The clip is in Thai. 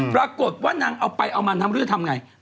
ปรากฏว่านางเอาไปเอามาทำลือจะทำอย่างไร